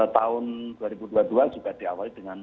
tahun dua ribu dua puluh dua juga diawali dengan